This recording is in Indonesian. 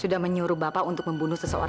hudson mengapa bisa panggil muka di kota